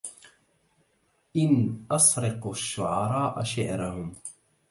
إن أسرق الشعراء شعرهم